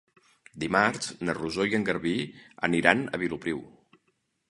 Dimarts na Rosó i en Garbí aniran a Vilopriu.